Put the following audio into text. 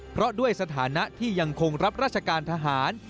เพราะด้วยสถานะที่ยังคงรับราชการทหาร